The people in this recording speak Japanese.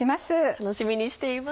楽しみにしています。